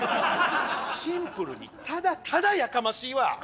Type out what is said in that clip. シンプルにただただやかましいわ！